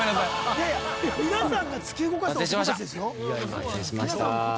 いやいや皆さんが突き動かした男たちですよ。